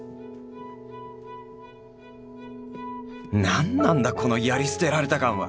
何なんだこのやり捨てられた感は！